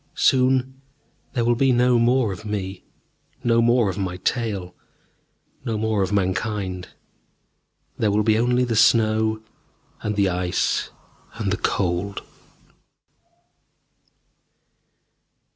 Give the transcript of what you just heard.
Soon there will be no more of me, no more of my tale no more of Mankind. There will be only the snow, and the ice, and the cold